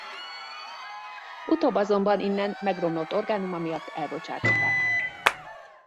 Utóbb azonban innen megromlott orgánuma miatt elbocsátották.